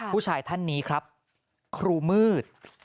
ผู้ชายท่านนี้ครูมืด